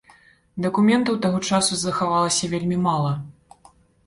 Дакументаў таго часу захавалася вельмі мала.